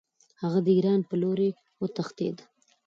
هغه د ایران په لوري وتښتېد.